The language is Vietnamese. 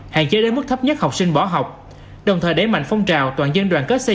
hạn chế đến mức thấp nhất học sinh bỏ học đồng thời đẩy mạnh phong trào toàn dân đoàn kết xây